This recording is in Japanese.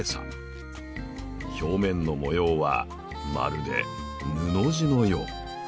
表面の模様はまるで布地のよう。